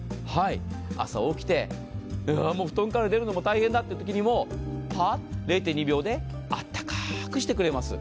朝起きて布団から出るのも大変だというときにも、パッ、０．２秒であったかくしてくれます。